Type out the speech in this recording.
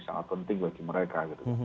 sangat penting bagi mereka